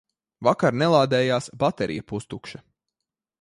Vakar nelādējās, baterija pustukša.